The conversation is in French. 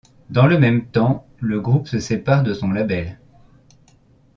Dans le même temps, le groupe se sépare de son label.